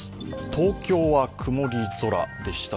東京は曇り空でした。